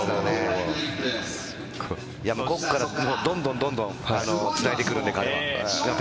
ここからどんどんつないでくるんで、彼は。